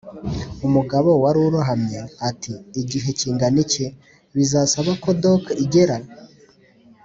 umugabo wari urohamye ati: 'igihe kingana iki?' 'bizasaba ko doc igera? '